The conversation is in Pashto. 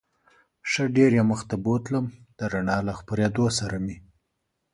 ښه ډېر یې مخ ته بوتلم، د رڼا له خپرېدو سره مې.